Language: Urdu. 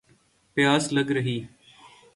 پیاس لَگ رہی